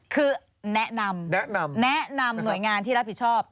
คือแนะนำแนะนำหน่วยงานที่รับผิดชอบ